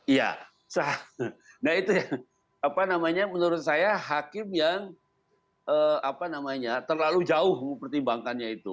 ya nah itu apa namanya menurut saya hakim yang apa namanya terlalu jauh mempertimbangkannya itu